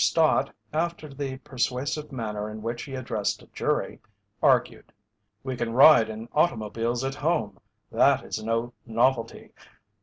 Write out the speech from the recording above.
Stott, after the persuasive manner in which he addressed a jury, argued: "We can ride in automobiles at home. That is no novelty.